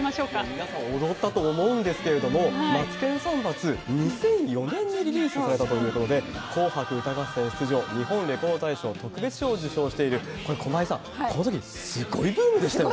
皆さん、踊ったと思うんですけれども、マツケンサンバＩＩ、２００４年にリリースされたということで、紅白歌合戦出場、日本レコード大賞特別賞を受賞している、これ、駒井さん、このとき、すごいブームでしたよね。